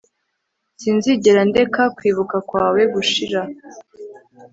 sinzigera ndeka kwibuka kwawe gushira